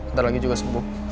ntar lagi juga sembuh